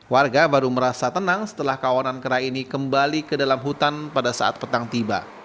warga baru merasa tenang setelah kawanan kera ini kembali ke dalam hutan pada saat petang tiba